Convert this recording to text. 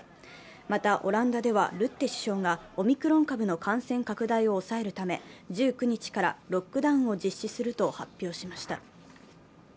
またオランダでは、ルッテ首相がオミクロン株の感染拡大を抑えるため１９日からロックダウンを実施すると発表しました。